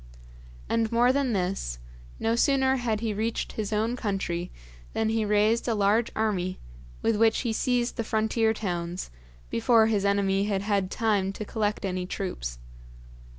And more than this, no sooner had he reached his own country than he raised a large army, with which he seized the frontier towns, before his enemy had had time to collect any troops.